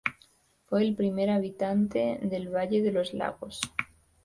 Fue el primer habitante del valle de los lagos.